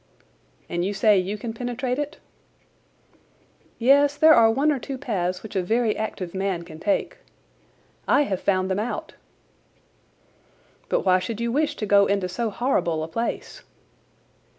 "And you say you can penetrate it?" "Yes, there are one or two paths which a very active man can take. I have found them out." "But why should you wish to go into so horrible a place?"